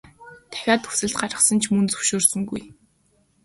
Дахиад хүсэлт гаргасан ч мөн л зөвшөөрсөнгүй.